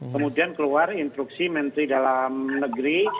kemudian keluar instruksi menteri dalam negeri